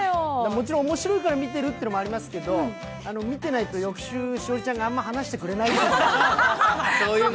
もちろん面白いから見てるっていうのありますけど、見てないと翌週、栞里ちゃんがあんまり話してくれないっていう。